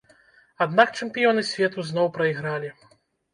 Аднак чэмпіёны свету зноў прайгралі!